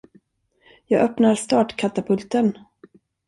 Jag öppnar startkatapulten.